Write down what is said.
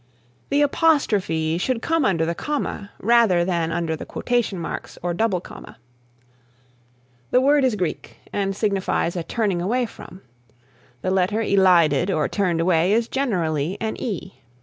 The Apostrophe should come under the comma rather than under the quotation marks or double comma. The word is Greek and signifies a turning away from. The letter elided or turned away is generally an e.